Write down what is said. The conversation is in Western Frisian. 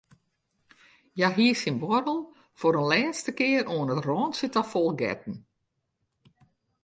Hja hie syn buorrel foar in lêste kear oan it rântsje ta fol getten.